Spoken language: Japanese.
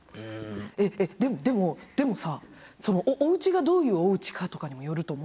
でもでもさおうちがどういうおうちかとかにもよると思わない？